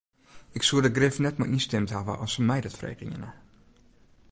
Ik soe der grif net mei ynstimd hawwe as se my dat frege hiene.